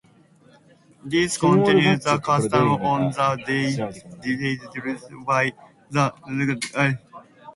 This continues the custom on the date determined by the Julian calendar.